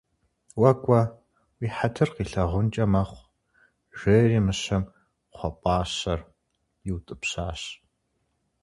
- Уэ кӏуэ, уи хьэтыр къилъагъункӏэ мэхъу,- жери мыщэм кхъуэпӏащэр иутӏыпщащ.